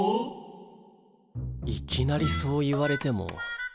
いきなりそう言われても。